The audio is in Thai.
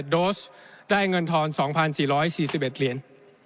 โดสได้เงินทอน๒๔๔๑เหรียญ